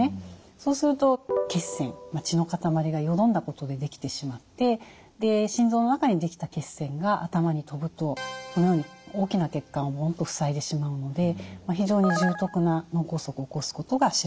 そうすると血栓血の塊がよどんだことで出来てしまってで心臓の中に出来た血栓が頭に飛ぶとこのように大きな血管を塞いでしまうので非常に重篤な脳梗塞を起こすことが知られています。